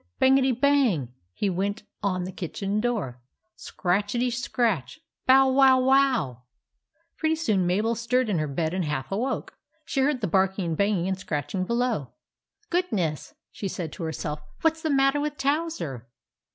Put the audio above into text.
Bangety bang ! he went on the kitchen door — scratchety scratch — bow wow wow ! Pretty soon Mabel stirred in her bed and half awoke. She heard the barking and banging and scratching below. "Goodness!" she said to herself. " What s the matter with Towser